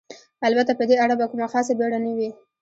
البته په دې اړه به کومه خاصه بېړه نه وي.